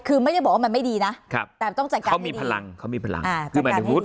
คือไม่ได้บอกว่ามันไม่ดีนะแต่ต้องจัดการให้ดีเขามีพลังเขามีพลัง